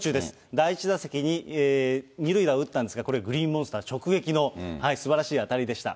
第１打席に２塁打を打ったんですが、これ、グリーンモンスター直撃のすばらしい当たりでした。